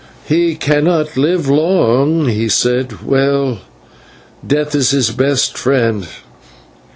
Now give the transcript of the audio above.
"He cannot live long," he said. "Well, death is his best friend.